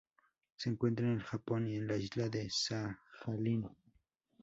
Se encuentra en el Japón y en la isla de Sajalín.